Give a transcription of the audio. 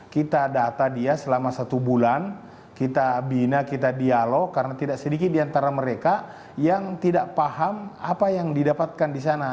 kita data dia selama satu bulan kita bina kita dialog karena tidak sedikit di antara mereka yang tidak paham apa yang didapatkan di sana